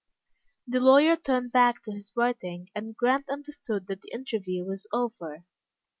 The lawyer turned back to his writing, and Grant understood that the interview was over.